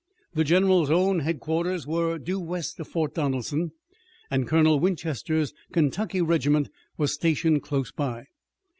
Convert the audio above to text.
The general's own headquarters were due west of Fort Donelson, and Colonel Winchester's Kentucky regiment was stationed close by.